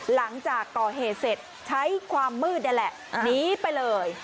หลังจากต่อเหตุเสร็จใช้ความมืดนี่ไปเลย